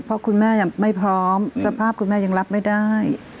เพราะคุณแม่ยังไม่พร้อมสภาพคุณแม่ยังรับไม่ได้